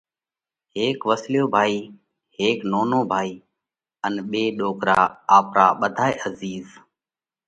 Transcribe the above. هيڪ وسليو ڀائِي، هيڪ نونو ڀائِي ان ٻي ڏوڪرا آپرا ٻڌائِي عزِيز،